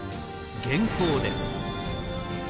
元寇です。